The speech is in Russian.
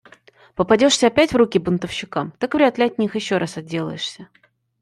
Попадешься опять в руки бунтовщикам, так вряд ли от них еще раз отделаешься.